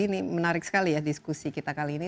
ini menarik sekali ya diskusi kita kali ini